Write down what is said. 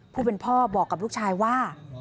ผู้เป็นพ่อบอกกับลูกชายว่า